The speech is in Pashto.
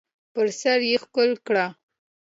پر سر یې ښکل کړ .